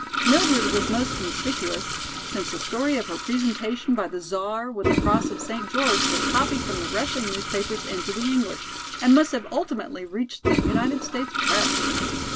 Mildred was most conspicuous, since the story of her presentation by the Czar with the Cross of St. George was copied from the Russian newspapers into the English, and must have ultimately reached the United States press.